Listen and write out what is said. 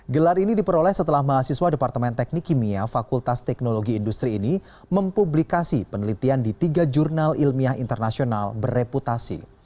gelar ini diperoleh setelah mahasiswa departemen teknik kimia fakultas teknologi industri ini mempublikasi penelitian di tiga jurnal ilmiah internasional bereputasi